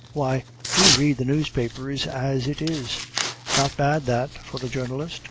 "Why, we read the newspapers as it is!" "Not bad that, for a journalist!